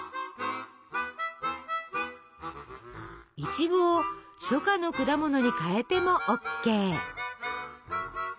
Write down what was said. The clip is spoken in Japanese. いちごを初夏の果物に変えてもＯＫ。